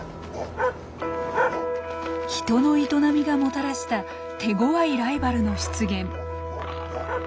人の営みがもたらした手ごわいライバルの出現。